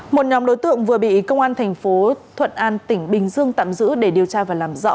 một nhóm đối tượng vừa bị công an thành phố thuận an tỉnh bình dương tạm giữ để điều tra và làm rõ